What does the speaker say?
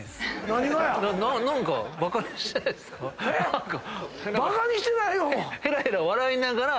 何かバカにしてないっすか？